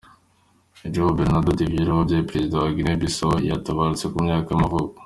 João Bernardo Vieira wabaye perezida wa Guineya Bissau yaratabarutse, ku myaka y’amavuko.